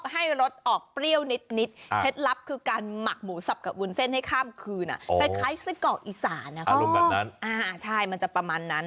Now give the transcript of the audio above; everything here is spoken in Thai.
ให้รสออกเปรี้ยวนิดเท็จลับคือการหมักหมูสับกับวุ่นเส้นให้ข้ามคืนน่ะ